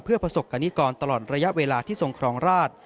เพื่อประสบกรณิกรตลอดระยะเวลาที่ทรงครองราช